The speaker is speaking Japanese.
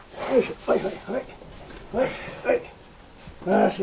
はいはい。